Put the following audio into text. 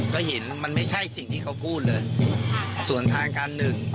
ก็เห็นมันไม่ใช่สิ่งที่เขาพูดเลยส่วนทางการหนึ่ง